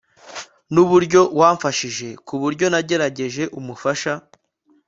nuburyo wamufashije kuburyo nagerageje Umufasha